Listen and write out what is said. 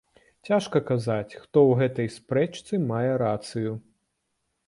Цяжа казаць, хто ў гэтай спрэчцы мае рацыю.